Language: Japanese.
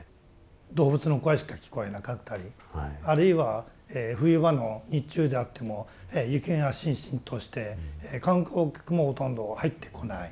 動物の声しか聞こえなかったりあるいは冬場の日中であっても雪がしんしんとして観光客もほとんど入ってこない。